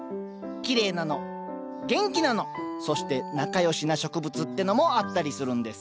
きれいなの元気なのそして仲良しな植物ってのもあったりするんです